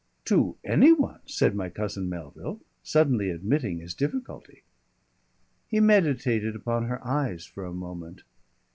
"To any one," said my cousin Melville, suddenly admitting his difficulty. He meditated upon her eyes for a moment.